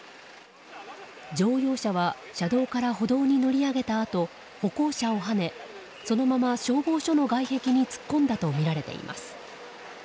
乗用車は車道から歩道に乗り上げたあと歩行者をはねそのまま消防署の外壁に突っ込んだとみられています。